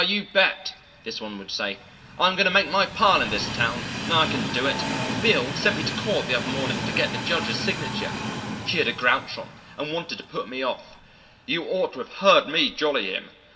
"Ah, you bet," this one would say, "I'm going to make my pile in this town. I can do it. Beale sent me to court the other morning to get the judge's signature. He had a grouch on, and wanted to put me off. You ought to have heard me jolly him.